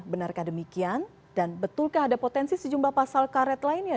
benarkah demikian dan betulkah ada potensi sejumlah pasal karet lainnya